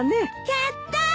やったー！